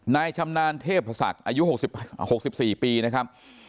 ชำนาญเทพศักดิ์อายุ๖๔ปีนะครับ